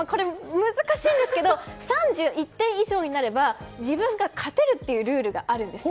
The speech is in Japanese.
難しいんですけど３１点以上になれば自分が勝てるというルールがあるんです。